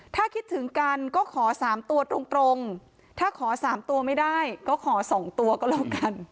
ถ้าคิดถึงกันก็ขอ๓ตัวตรงถ้าขอ๓ตัวไม่ได้ก็ขอ๒ตัวก็แล้วกัน